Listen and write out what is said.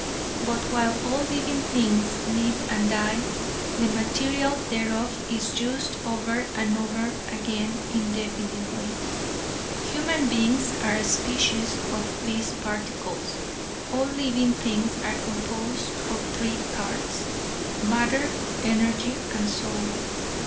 But while all living things live and die, the material thereof is used over and over again indefinitely. Human beings are a species of these particles. All living things are composed of three parts, matter, energy and soul.